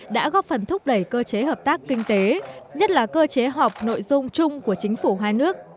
đã góp phần thúc đẩy cơ chế hợp tác kinh tế nhất là cơ chế họp nội dung chung của chính phủ hai nước